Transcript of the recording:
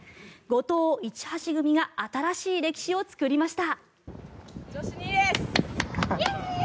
後藤・市橋組が新しい歴史を作りました。